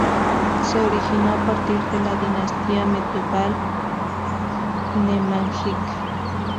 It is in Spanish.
Se originó a partir de la dinastía medieval Nemanjić.